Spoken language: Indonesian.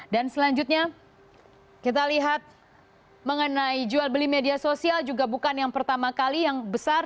dan selanjutnya kita lihat mengenai jual beli media sosial juga bukan yang pertama kali yang besar